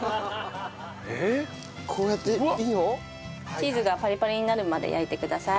チーズがパリパリになるまで焼いてください。